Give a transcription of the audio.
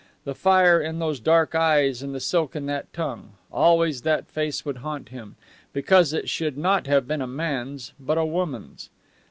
The fire in those dark eyes and the silk on that tongue! Always that face would haunt him, because it should not have been a man's but a woman's.